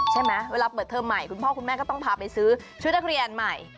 เวลาเปิดเทอมใหม่คุณพ่อคุณแม่ก็ต้องพาไปซื้อชุดนักเรียนใหม่